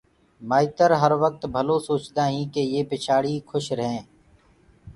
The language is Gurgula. مآئتر هروقت ڀلو سوچدآئينٚ ڪي يي پڇآڙي کُش ريهينٚ